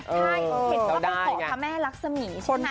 ใช่เห็นว่าไปขอพระแม่รักษมีใช่ไหม